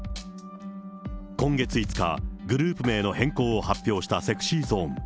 今月５日、グループ名の変更を発表したＳｅｘｙＺｏｎｅ。